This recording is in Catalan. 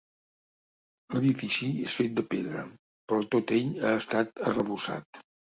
L'edifici és fet de pedra però tot ell ha estat arrebossat.